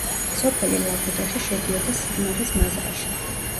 სოფელი ლაგოდეხი შედიოდა სიღნაღის მაზრაში.